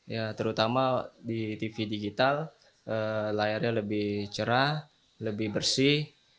ya terutama di tv digital layarnya lebih cerah lebih bersih